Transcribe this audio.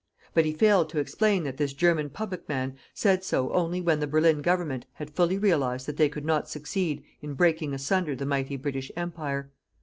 But he failed to explain that this German public man said so only when the Berlin Government had fully realized that they could not succeed in breaking asunder the mighty British Empire.